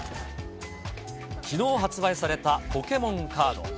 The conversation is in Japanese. きのう発売されたポケモンカード。